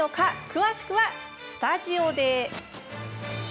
詳しくはスタジオで。